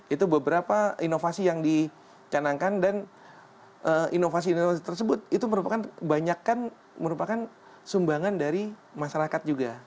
itu beberapa inovasi yang dicanangkan dan inovasi inovasi tersebut itu merupakan sumbangan dari masyarakat juga